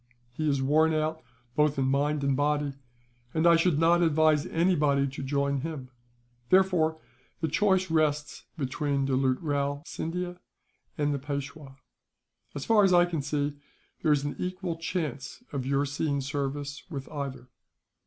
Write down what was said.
He is worn out both in mind and body, and I should not advise anybody to join him. Therefore the choice rests between Doulut Rao Scindia and the Peishwa; as far as I can see, there is an equal chance of your seeing service with either."